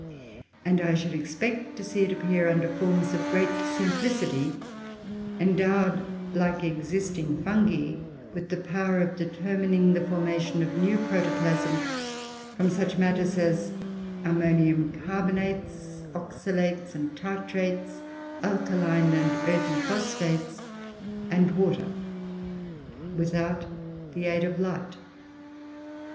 I should expect to see it appear under forms of great simplicity, endowed, like existing fungi, with the power of determining the formation of new protoplasm from such matters as ammonium carbonates, oxalates and tartrates, alkaline and earthy phosphates, and water, without the aid of light.